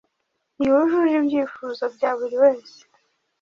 ntiyujuje ibyifuzo bya buri wese.